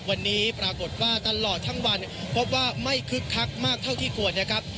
วันนี้ปรากฏว่าตลอดทั้งวันพบว่าไม่คึกคักมากเท่าที่ควรนะครับ